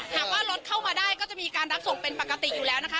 หากว่ารถเข้ามาได้ก็จะมีการรับส่งเป็นปกติอยู่แล้วนะคะ